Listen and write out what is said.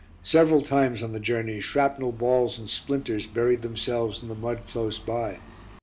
Several times on the journey shrapnel balls and splinters buried themselves in the mud close by.